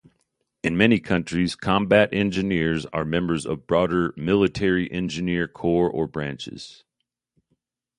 In many countries, combat engineers are members of broader military engineering corps or branches.